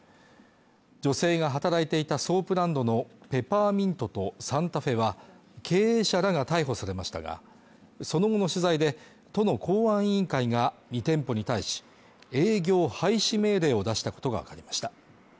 女性が働いていたソープランドのペパーミントとサンタ・フェは経営者らが逮捕されましたがその後の取材で都の公安委員会が２店舗に対し営業廃止命令を出したことが分かりました